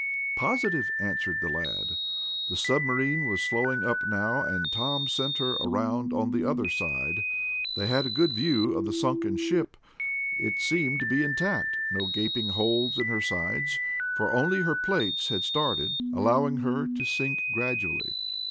"Positive," answered the lad. The submarine was slowing up now, and Tom sent her around on the other side. They had a good view of the sunken ship. It seemed to be intact, no gaping holes in her sides, for only her plates had started, allowing her to sink gradually.